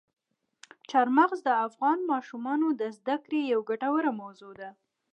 چار مغز د افغان ماشومانو د زده کړې یوه ګټوره موضوع ده.